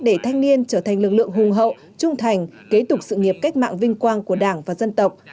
để thanh niên trở thành lực lượng hùng hậu trung thành kế tục sự nghiệp cách mạng vinh quang của đảng và dân tộc